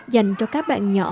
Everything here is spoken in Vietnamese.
dành cho các bạn nhỏ